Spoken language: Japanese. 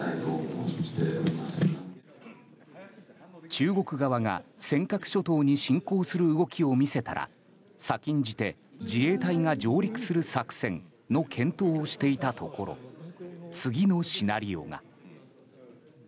中国側が尖閣諸島に侵攻する動きを見せたら先んじて自衛隊が上陸する作戦の検討をしていたところ次のシナリオが。